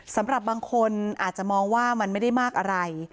สำหรับบางคนอาจจะมองว่ามันไม่ได้มากอะไร